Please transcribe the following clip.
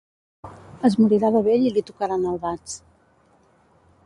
Es morirà de vell i li tocaran albats.